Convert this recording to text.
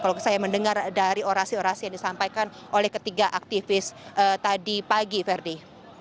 kalau saya mendengar dari orasi orasi yang disampaikan oleh ketiga aktivis tadi pagi verdi